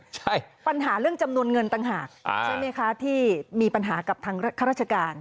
ใช่ปัญหาเรื่องจำนวนเงินต่างหากใช่ไหมคะที่มีปัญหากับทางข้าราชการ